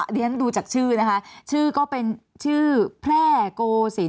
เรียนดูจากชื่อนะคะชื่อก็เป็นชื่อแพร่โกศิลป